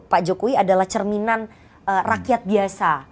pak jokowi adalah cerminan rakyat biasa